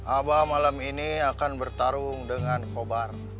abah malam ini akan bertarung dengan kobar